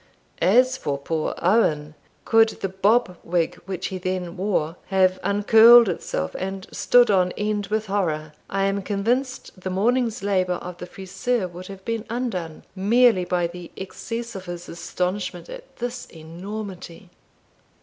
As for poor Owen, could the bob wig which he then wore have uncurled itself, and stood on end with horror, I am convinced the morning's labour of the friseur would have been undone, merely by the excess of his astonishment at this enormity.